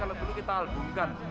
kalau perlu kita albumkan